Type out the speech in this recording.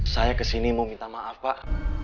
saya kesini mau minta maaf pak